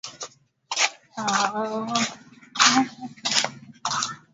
iliisaidia Chama cha mapinduzi kujadiliwa tena na wananchi wengi wakianza kuona kuwa kumbe hata